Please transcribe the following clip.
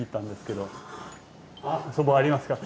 そばありますか？